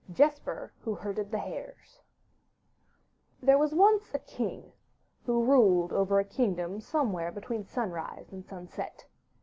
JESPER WHO HERDED THE HARES There was once a king who ruled over a kingdom somewhere between sunrise and sunset.